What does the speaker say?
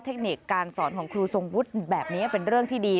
เทคนิคการสอนของครูทรงวุฒิแบบนี้เป็นเรื่องที่ดี